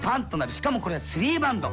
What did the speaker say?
しかもこれは３バンド。